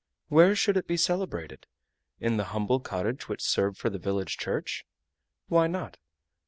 Where should it be celebrated? In the humble cottage which served for the village church? Why not?